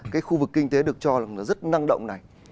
cái khu vực kinh tế được cho là rất năng động này